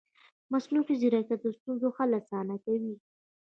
مصنوعي ځیرکتیا د ستونزو حل اسانه کوي.